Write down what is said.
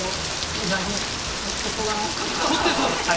「うなぎとってそうだな」？